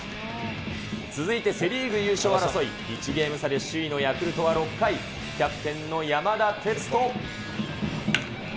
続いてセ・リーグ優勝争い、１ゲーム差で首位のヤクルトは６回、キャプテンの山田哲人。